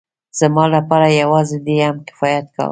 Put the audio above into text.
زما لپاره يوازې دې هم کفايت کاوه.